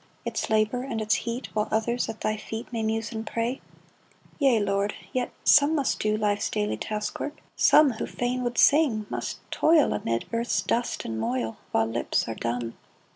Its labor and its heat, While others at thy feet May muse and pray ! Yea, Lord !— Yet some must do Life's "daily task work ; some Who fain would sing, must toil Amid earth's dust and moil, While lips are dumb